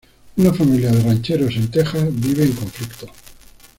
Una familia de rancheros en Texas vive en conflicto.